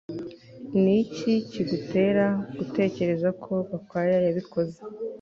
Niki kigutera gutekereza ko Gakwaya yabikoze